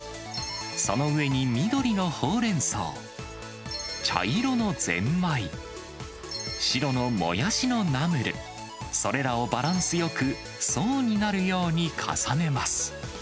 カップの底に味付けしたごはんを入れ、その上に緑のほうれんそう、茶色のゼンマイ、白のもやしのナムル、それらをバランスよく、層になるように重ねます。